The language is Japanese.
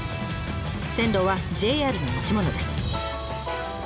線路はＪＲの持ち物です。